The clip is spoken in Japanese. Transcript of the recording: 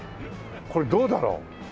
これどうだろう？